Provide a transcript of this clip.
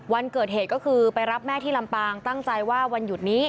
วันเกิดเหตุก็คือไปรับแม่ที่ลำปางตั้งใจว่าวันหยุดนี้